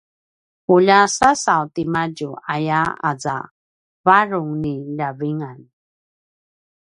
“ulja sasav timadju” ayaya aza a varung ni ljavingan